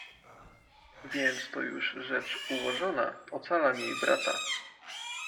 "Więc to już rzecz ułożona... ocalam jej brata."